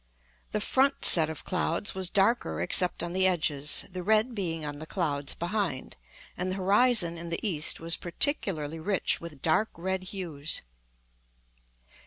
The front set of clouds was darker except on the edges, the red being on the clouds behind; and the horizon in the east was particularly rich with dark red hues.